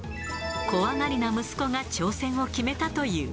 怖がりな息子が挑戦を決めたという。